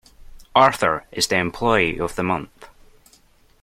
Arthur is the employee of the month.